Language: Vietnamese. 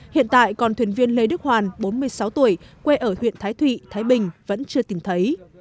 hiện tại còn thuyền viên lê đức hoàn bốn mươi sáu tuổi quê ở huyện thái thụy thái bình vẫn chưa tìm thấy